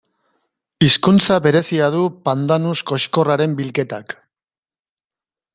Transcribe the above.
Hizkuntza berezia du pandanus koxkorraren bilketak.